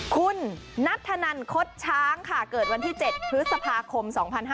คุณนัทธนันคดช้างค่ะเกิดวันที่๗พฤษภาคม๒๕๕๙